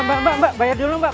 mbak mbak mbak bayar dulu mbak